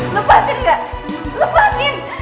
lupasin gak lepasin